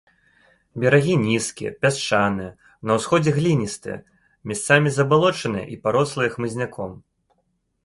Берагі нізкія, пясчаныя, на ўсходзе гліністыя, месцамі забалочаныя і парослыя хмызняком.